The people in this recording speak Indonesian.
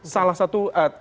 salah satu tiga menteri